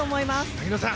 萩野さん。